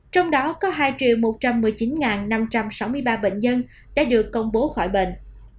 trong đó có hai một trăm một mươi chín năm trăm sáu mươi ba bệnh nhân đã được công bố khỏi bệnh